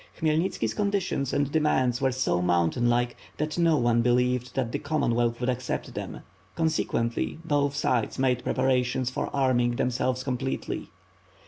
Khmyelnitskfs condi tions and demands were so mountain like that no one be lieved that the Commonwealth would accept them; conse quently, both sides made preparations for arming themselves completely.